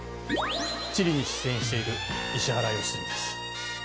「地理」に出演している石原良純です。